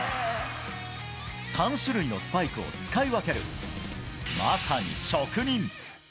３種類のスパイクを使い分ける、まさに職人。